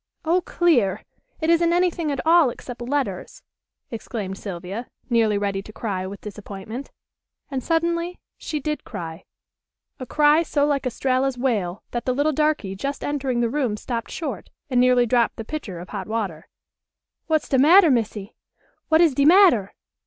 "Oh, clear! It isn't anything at all except letters," exclaimed Sylvia, nearly ready to cry with disappointment. And, suddenly, she did cry a cry so like Estralla's wail that the little darky just entering the room stopped short, and nearly dropped the pitcher of hot water. "Wat's de matter, Missy? Wat is de matter?"